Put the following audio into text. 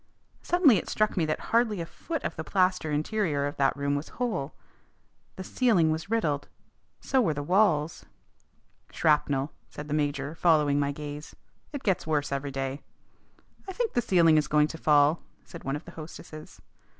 Suddenly it struck me that hardly a foot of the plaster interior of that room was whole. The ceiling was riddled. So were the walls. "Shrapnel," said the major, following my gaze. "It gets worse every day." "I think the ceiling is going to fall," said one of the hostesses.